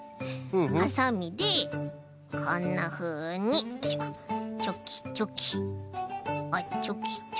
はさみでこんなふうにチョキチョキあっチョキチョキ。